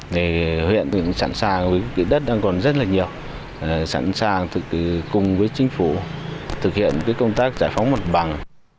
thì huyện cũng sẵn sàng với đất đang còn rất là nhiều sẵn sàng cùng với chính phủ thực hiện công tác giải phóng mặt bằng